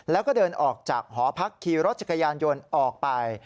แล้วก็เดินออกจากหอพักขี่รถจักรยานยนต์ออกไป